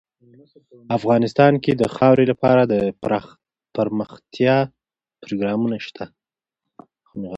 افغانستان کې د خاوره لپاره دپرمختیا پروګرامونه شته.